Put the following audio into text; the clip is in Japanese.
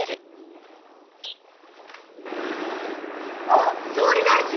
あっ総理大臣。